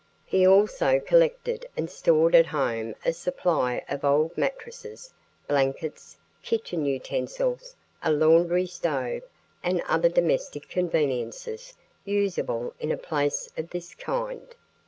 He also collected and stored at home a supply of old mattresses, blankets, kitchen utensils, a laundry stove, and other domestic conveniences usable in a place of this kind.